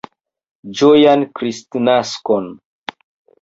Ĝojan Kristnaskon!